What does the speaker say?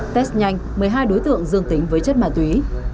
test nhanh một mươi hai đối tượng dương tính với chất ma túy